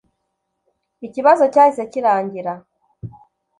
ikibazo cyahise kirangira